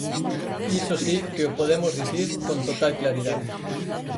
Iso si que o podemos dicir con total claridade.